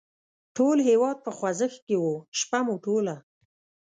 ټول هېواد په خوځښت کې و، شپه مو ټوله.